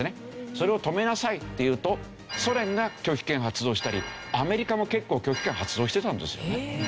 それを止めなさいっていうとソ連が拒否権を発動したりアメリカも結構拒否権を発動してたんですよね。